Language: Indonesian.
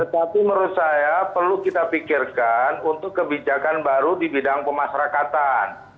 tetapi menurut saya perlu kita pikirkan untuk kebijakan baru di bidang pemasrakatan